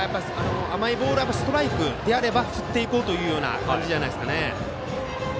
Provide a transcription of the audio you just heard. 甘いボールはストライクであれば振っていこうというような感じでしょうかね。